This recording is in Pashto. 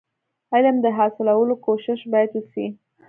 علم د حاصلولو کوښښ باید وسي.